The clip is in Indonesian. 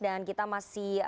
dan kita masih